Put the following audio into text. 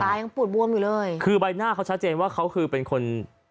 ยังปูดบวมอยู่เลยคือใบหน้าเขาชัดเจนว่าเขาคือเป็นคน